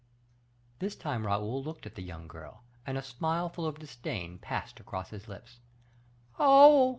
This time Raoul looked at the young girl, and a smile full of disdain passed across his lips. "Oh!"